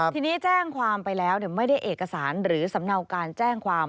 ทีนี้แจ้งความไปแล้วไม่ได้เอกสารหรือสำเนาการแจ้งความ